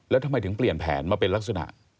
แล้วทำไมถึงเปลี่ยนแผนมาเป็นลักษณะ